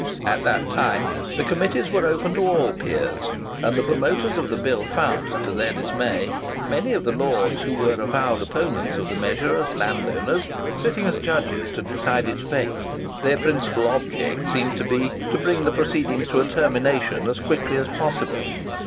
At that time the committees were open to all peers; and the promoters of the bill found, to their dismay, many of the lords who were avowed opponents of the measure as landowners, sitting as judges to decide its fate. Their principal object seemed to be, to bring the proceedings to a termination as quickly as possible.